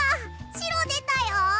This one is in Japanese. しろでたよ！